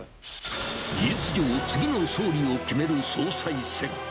事実上、次の総理を決める総裁選。